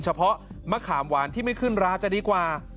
เฉพาะมะขามหวานที่ไม่ขึ้นราจะดีกว่า